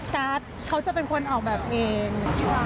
การ์ดเขาจะเป็นคนออกแบบเอง